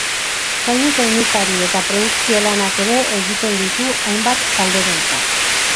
Soinu teknikari eta produkzio lanak ere egiten ditu hainbat talderentzat.